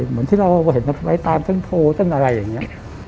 เหมือนที่เราเห็นไว้ตามต้นโพต้นอะไรอย่างนี้